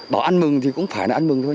bảo an mừng thì cũng phải là an mừng thôi